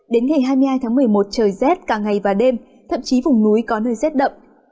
đến ngày hai mươi hai tháng một mươi một trời rét cả ngày và đêm thậm chí vùng núi có nơi rét đậm